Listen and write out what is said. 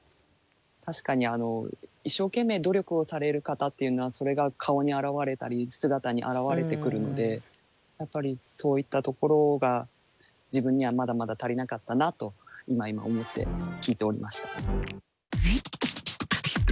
確かに一生懸命努力をされる方っていうのはそれが顔に表れたり姿に表れてくるのでやっぱりそういったところが自分にはまだまだ足りなかったなと今思って聞いておりました。